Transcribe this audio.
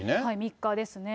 ３日ですね。